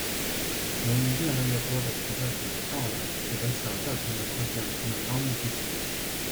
由于越来越多的朝拜者的到来使的小教堂的扩建成了当务之急。